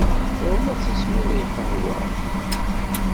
Ɣur-m ad tismiḍ lqahwa-m!